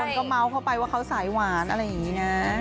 ก็เมาส์เข้าไปว่าเขาสายหวานอะไรอย่างนี้นะ